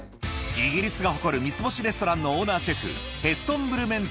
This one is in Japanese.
イギリスが誇る３つ星レストランのオーナーシェフ